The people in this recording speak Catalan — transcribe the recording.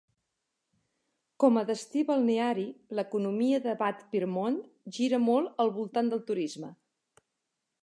Com a destí balneari, l'economia de Bad Pyrmont gira molt al voltant del turisme.